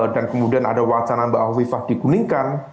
dan kemudian ada wacana mbak hovifah dikuningkan